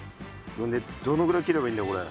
どのぐらい切ればいいんだこれ。